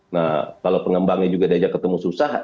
nah kalau pengembangnya juga diajak ketemu susah